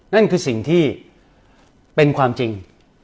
นั่นคือสิ่งที่เป็นความจริง